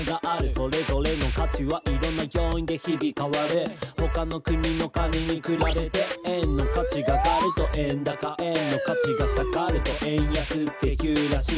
「それぞれの価値はいろんな要因で日々変わる」「ほかの国のお金に比べて」「円の価値が上がると円高」「円の価値が下がると円安っていうらしい」